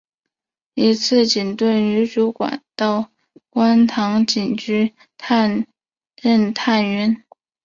一次警队女主管到观塘警局任探员。